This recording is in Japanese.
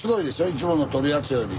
いつもの取るやつより。